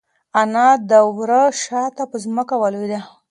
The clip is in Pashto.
انا د وره شاته په ځمکه ولوېده.